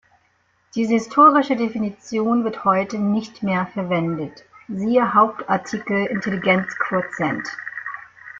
Diese historische Definition wird heute nicht mehr verwendet, siehe Hauptartikel Intelligenzquotient.